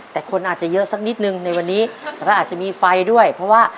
แต่คนอาจจะเยอะสักนิดนึงในวันนี้แล้วก็อาจจะมีไฟด้วยเพราะว่า